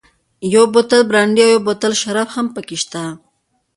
یو بوتل برانډي او یو بوتل شراب هم پکې شته.